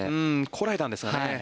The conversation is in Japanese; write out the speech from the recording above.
こらえたんですがね。